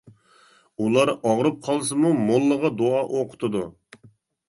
ئۇلار ئاغرىپ قالسىمۇ موللىغا دۇئا ئوقۇتىدۇ.